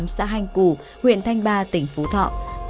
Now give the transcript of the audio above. xã hanh củ huyện thanh ba tỉnh phú thọ